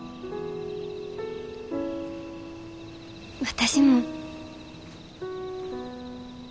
私も。